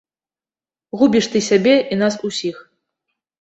Губіш ты сябе і нас усіх.